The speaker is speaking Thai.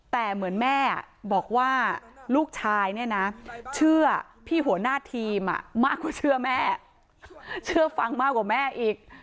แต่เหมือนแม่บอกว่าลูกชายเนี่ยนะเชื่อพี่หัวหน้าทีมมากกว่าเชื่อแม่เชื่อฟังมากกว่าแม่อีก